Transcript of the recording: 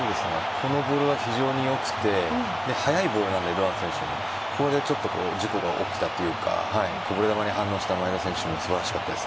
このボールは非常に良くて速いボールなのでこれで事故が起きたというかこぼれ球に反応した前田選手、素晴らしかったです。